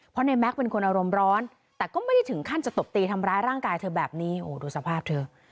เพราะในแก๊กเป็นคนอารมณ์ร้อนแต่ก็ไม่ได้ถึงขั้นจะตบตีทำร้ายร่างกายเธอแบบนี้โอ้โหดูสภาพเธอ